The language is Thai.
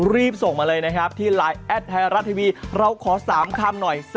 รีบส่งมาเลยนะครับที่ไลน์แอดไทยรัฐทีวีเราขอ๓คำหน่อย